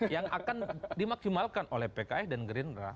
yang akan dimaksimalkan oleh pks dan gerindra